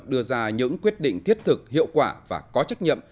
đưa ra những quyết định thiết thực hiệu quả và có trách nhiệm